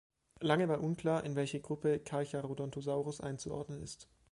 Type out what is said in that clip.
Lange war unklar, in welche Gruppe "Carcharodontosaurus" einzuordnen ist.